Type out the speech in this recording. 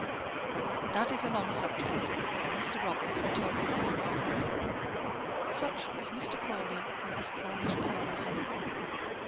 But that is a long subject, as Mr. Robarts had told Miss Dunstable. Such was Mr. Crawley in his Cornish curacy.